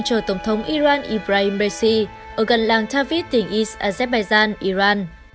chở tổng thống iran ibrahim raisi ở gần làng tabriz tỉnh east azerbaijan iran